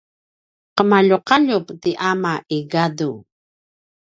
qemaljuqaljup ti ama i gadu